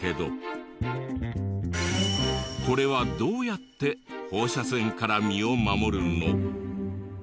これはどうやって放射線から身を守るの？